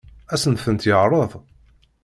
Ad sen-tent-yeɛṛeḍ?